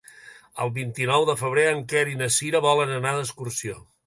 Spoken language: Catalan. El vint-i-nou de febrer en Quer i na Cira volen anar d'excursió.